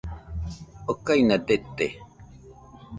okaina dete